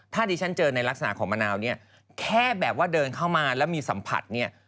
ถ้าดิฉันเจอในลักษณะของมะนาวเนี่ยแค่แบบว่าเดินเข้ามาแล้วมีสัมผัสเนี่ย